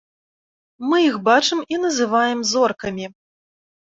Мы іх бачым і называем зоркамі.